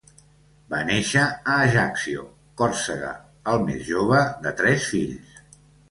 Va néixer a Ajaccio, Còrsega, el més jove de tres fills.